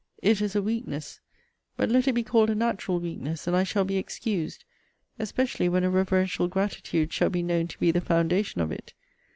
It is a weakness but let it be called a natural weakness, and I shall be excused; especially when a reverential gratitude shall be known to be the foundation of it.